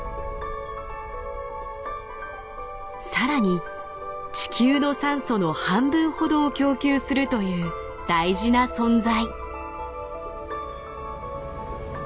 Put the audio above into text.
さらに地球の酸素の半分ほどを供給するという大事な存在。